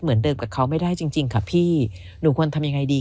เหมือนเดิมกับเขาไม่ได้จริงจริงค่ะพี่หนูควรทำยังไงดี